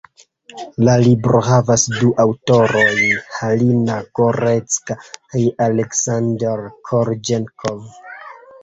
La libro havas du aŭtorojn, Halina Gorecka kaj Aleksander Korĵenkov.